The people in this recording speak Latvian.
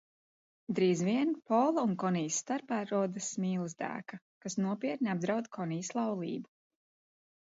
Drīz vien Pola un Konijas starpā rodas mīlas dēka, kas nopietni apdraud Konijas laulību.